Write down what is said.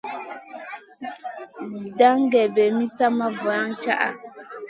Daŋ gan-ɗèɓè mi sa ma vulaŋ caʼa.